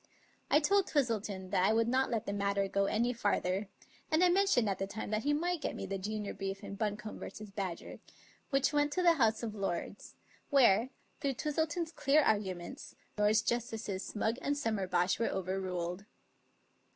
I told Twistleton that I would not let the matter go any farther, and I mentioned at the time that he might get me the junior brief in Bun combe V. Badger, which went to the House of Lords, where, through Twistleton's clear arguments. Lord Usher and Lords Justices Smugg and Summerbosh were over ruled.